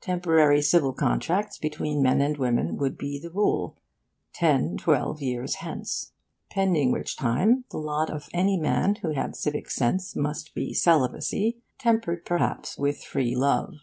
Temporary civil contracts between men and women would be the rule 'ten, twelve years hence'; pending which time the lot of any man who had civic sense must be celibacy, tempered perhaps with free love.